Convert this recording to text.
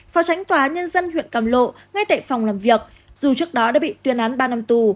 phó tránh tòa nhân dân huyện cầm lộ ngay tại phòng làm việc dù trước đó đã bị tuyên án ba năm tù